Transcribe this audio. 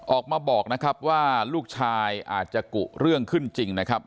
ออกมาบอกนะครับว่าลูกชายอาจจะกุเรื่องขึ้นจริงนะครับ